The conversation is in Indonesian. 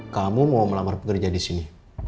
kamu mau melamar pekerja di sini